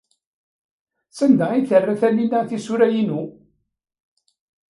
Sanda ay terra Taninna tisura-inu?